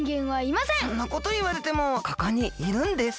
そんなこといわれてもここにいるんです。